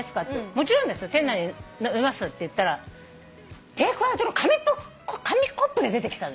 もちろんです店内で飲みますって言ったらテイクアウトの紙コップで出てきたの。